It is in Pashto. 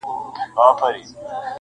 o و څښتن د سپي ته ورغله په قار سوه,